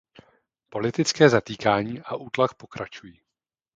Politické zatýkání a útlak pokračují.